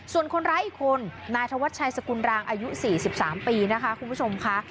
ส่วนคนร้ายอีกคนนายธวัชชัยสกุลรางอายุ๔๓ปีนะคะคุณผู้ชมค่ะ